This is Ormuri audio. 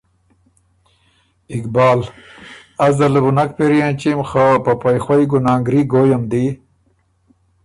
اقبال: از ده له بو نک پېری ا ېنچِم خه په پئ خوئ ګنانګري ګوی م دی